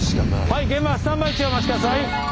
はい現場スタンバイ中お待ち下さい！